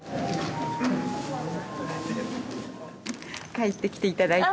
帰ってきていただいて。